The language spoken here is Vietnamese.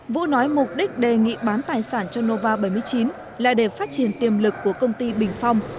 vũ nói mục đích đề nghị bán tài sản cho nova bảy mươi chín là để phát triển tiềm lực của công ty bình phong